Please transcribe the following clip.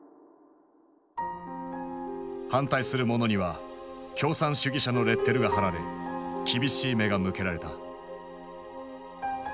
反対する者には「共産主義者」のレッテルが貼られ厳しい目が向けられた。